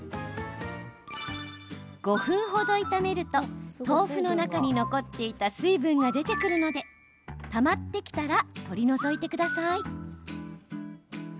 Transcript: ５分ほど炒めると、豆腐の中に残っていた水分が出てくるのでたまってきたら取り除いてください。